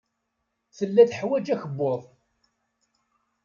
Tella teḥwaj akebbuḍ.